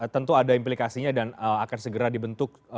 tentu ada implikasinya dan akan segera dibentuk